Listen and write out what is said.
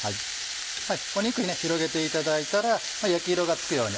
肉広げていただいたら焼き色がつくように。